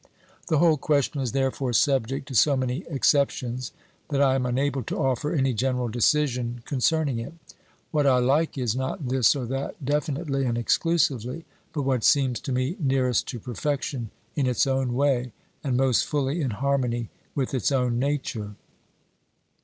The whole question is therefore subject to so many excep tions that I am unable to offer any general decision con cerning it. What I like is not this or that definitely and exclusively, but what seems to me nearest to perfection in its own way and most fully in harmony with its own nature.